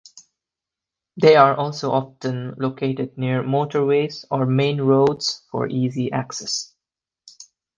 They are also often located near motorways or main roads for easy access.